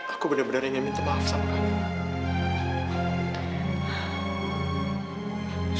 aku benar benar ingin minta maaf sama kamu